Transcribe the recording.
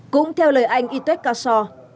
cũng theo lời anh itwet kassor